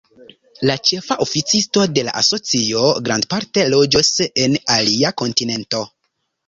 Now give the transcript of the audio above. La ĉefa oficisto de la asocio grandparte loĝos en alia kontinento.